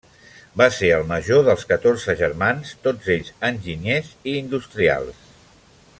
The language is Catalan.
Va ser el major dels catorze germans, tots ells enginyers i industrials.